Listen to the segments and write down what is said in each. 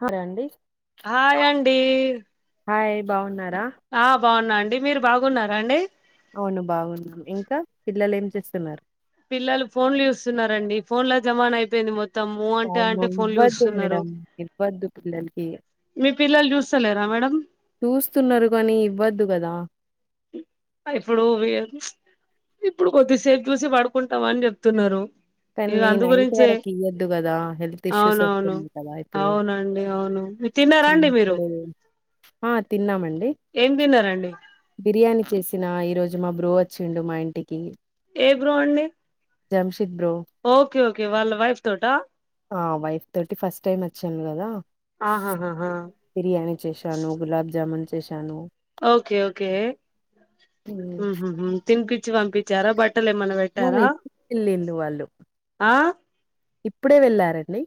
హరే అండి హాయ్ అండి హాయ్ బాగున్నారా ఆ బాగున్నా అండి మీరు బాగున్నారా అండి అవును బాగున్నా ఇంకా పిల్లలు ఏం చేస్తున్నారు పిల్లలు ఫోన్ల్ చూస్తున్నారండి ఫోన్లల జమాన్ అయిపోయింది మొత్తం మ్ అంటే అవును అంటే ఫోన్లు ఇవ్వద్దు చూస్తున్నారు మేడం ఇవ్వద్దు పిల్లలకి మీ పిల్లలు చూస్తా లేరా మేడం చూస్తున్నారు కానీ ఇవ్వద్దు కదా ఇప్పుడు ఇప్పుడు కొద్దిసేపు చూసి పడుకుంటావా అని చెప్తున్నారు ఇగ కానీ అందు నైట్ గురించే వరకు ఇయ్యద్దు కదా హెల్త్ ఇష్యూస్ అవునవును వస్తుంది కదా ఇప్పుడు అవునండి అవును మీ తిన్నారా అండి మీరు చిన్నప్పుడు ఆ తిన్నామండి ఏం తిన్నారండి బిర్యానీ చేసిన ఈ రోజు మా బ్రో వచ్చిండు మా ఇంటికి ఏ బ్రో అండి జమ్షిద్ బ్రో ఒకే ఒకే వాళ్ళ వైఫ్ తోటా ఆ వైఫ్ తోటీ ఫస్ట్ టైమ్ వచ్చాను కదా ఆహాహాహా బిర్యానీ చేశాను గులాబ్ జామన్ ఒకే ఒకే ఇప్పుడే తినిపచ్చి పంపించారా బట్ ఆ ఇప్పుడ వెళ్ళిళు వాళ్ళు ఆ ఇప్పుడే వెళ్ళారండి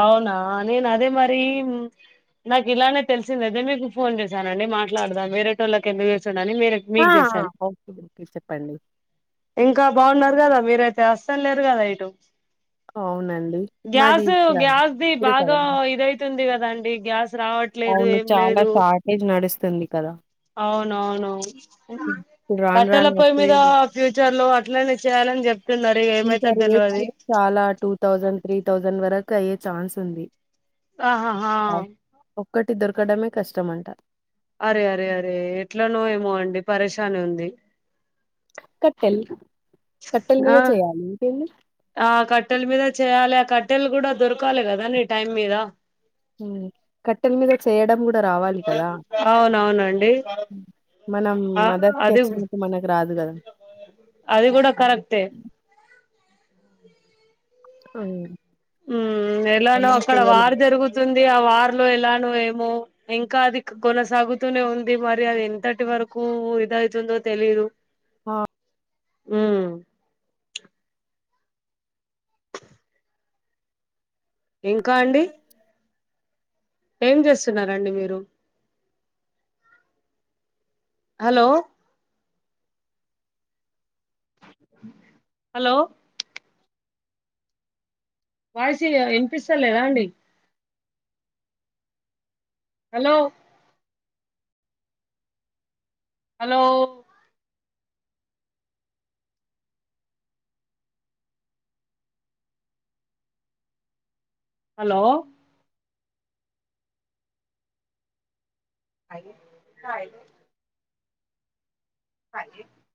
అవునా నేను అదే మరి నాకు ఇలానే తెలిసింద అదే మీకు ఫోన్ చేశానండి మాట్లాడదాం వేరేటోళ్ళకి ఎందుకు నేను వేరే ఆ! మీకు చేసాను ఓకే. ఓకే. చెప్పండి. ఇంకా బాగున్నారు కాదా మీరైతే వస్తన్లేరు కదా ఇటు అవునండి మాది గ్యాస్ ది ఇక్కడ కాడ. బాగా ఇదైతుంది కదా అండి గ్యాస్ రావట్లేదు అవును ఏం చాలా లేదు షార్టేజ్ నడుస్తుంది కదా అవునవును హ్మ్. ఇప్పుడు రాను కట్టెల రాను పొయ్యి మీద వస్తేది ఫ్యూచర్ లో ఇట్లనే చేయాలని చెప్ ఇంకా రేట్లు చాలా టూ థౌసండ్ త్రీ థౌసండ్ వరకు అయ్యే ఛాన్స్ ఉంది ఆహ హా ఆహ్, ఒక్కటి దొరకడమే కష్టం అంటా అరె అరె అరే ఎట్లానో ఏమో అండి పరేశాని ఉంది కట్టెల్ ఆ ఆ కట్టెల మీద చేయాలి ఆ కట్ ట్టల్ కూడా దొరకాలి కదా నీ టైం మీద ఊ కట్టెల మీద చేయడం కూడా రావాలి కదా అవునవునండి మనం ఆ మదర్స్ కి అది వచ్చినట్టు మనకు రాదు కదా అది కూడా కర్రెక్ట్య్ ఆ ఊ ఎలానో అక్కడ వార్ జరుగుతుంది ఆ వార్లో ఎలానో ఏమో ఇంకా అది కొనసాగుతూనే ఉంది మరి అది ఎంతటి వరకు ఊ ఇదైతుందో తెలీదు ఆ ఉమ్ ఇంకా అండి ఏం చేస్తున్నారండి మీరు హలో హలో వాయిస్ ఇనిపిస్తలేదా అండి hello hello hello I hi [unintelligible]